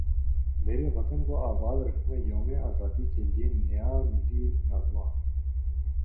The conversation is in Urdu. میرے وطن کو اباد رکھنایوم ازادی کے لیے نیا ملی نغمہ